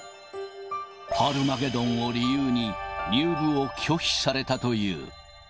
ハルマゲドンを理由に、入部を拒否されたという。